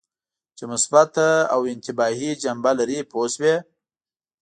چې مثبته او انتباهي جنبه لري پوه شوې!.